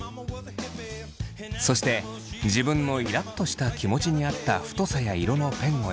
そして自分のイラっとした気持ちに合った太さや色のペンを選び